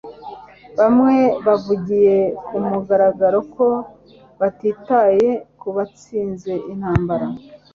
Bamwe bavugiye kumugaragaro ko batitaye kubatsinze intambara